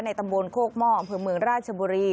ในตำบลโคกม่องเผื่อเมืองราชบุรี